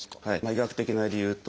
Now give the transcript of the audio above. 医学的な理由とですね